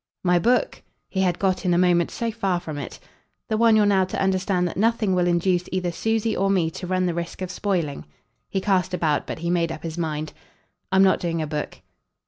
"My book ?" He had got in a moment so far from it. "The one you're now to understand that nothing will induce either Susie or me to run the risk of spoiling." He cast about, but he made up his mind. "I'm not doing a book."